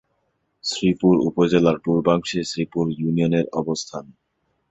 শ্রীপুর উপজেলার পূর্বাংশে শ্রীপুর ইউনিয়নের অবস্থান।